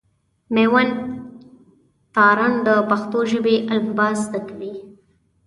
مېوند تارڼ د پښتو ژبي الفبا زده کوي.